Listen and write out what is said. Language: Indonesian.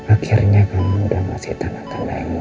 oke saya masuk akhirnya